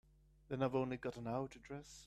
Then I've only got an hour to dress.